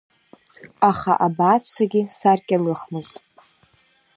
Аха абааҵәцагьы саркьалыхмызт.